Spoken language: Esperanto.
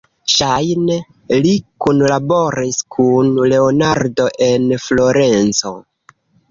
Ŝajne li kunlaboris kun Leonardo en Florenco.